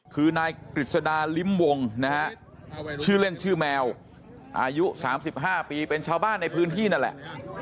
คือนายกฤษดาลิ้มวงนะฮะชื่อเล่นชื่อแมวอายุ๓๕ปีเป็นชาวบ้านในพื้นที่นั่นแหละ